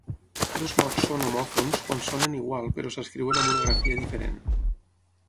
Dos mots són homòfons quan sonen igual però s'escriuen amb una grafia diferent.